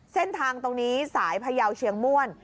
เส้นทางตรงนี้สายพยาวเชียงม่วน